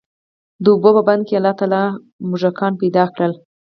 د اوبو په بند کي الله تعالی موږکان پيدا کړل،